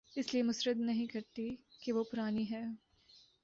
اس لیے مسترد نہیں کرتی کہ وہ پرانی ہے